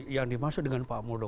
yang dimaksud dengan pak muldo